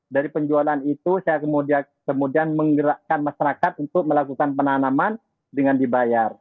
dari penjualan itu saya kemudian menggerakkan masyarakat untuk melakukan penanaman dengan dibayar